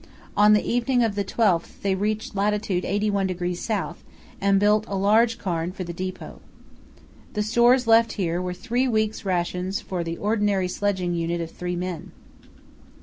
On the evening of the 12th they reached lat. 81° S., and built a large cairn for the depot. The stores left here were three weeks' rations for the ordinary sledging unit of three men.